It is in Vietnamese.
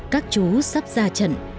các chú sắp ra trận